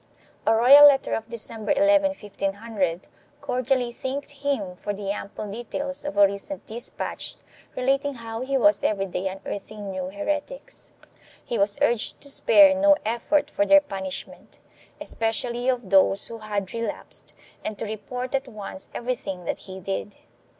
A royal letter of December 11, 1500, cordially thanked him for the ample details of a recent despatch relating how he was every day unearthing new heretics; he was urged to spare no effort for their punishment, especially of those who had relapsed, and to report at once everything that he did.